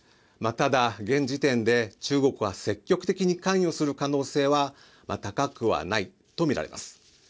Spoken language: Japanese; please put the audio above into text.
ただ、現時点で中国が積極的に関与する可能性は高くはないとみられます。